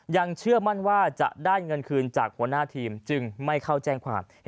เชื่อมั่นว่าจะได้เงินคืนจากหัวหน้าทีมจึงไม่เข้าแจ้งความ